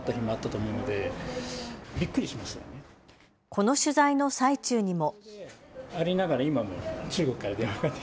この取材の最中にも。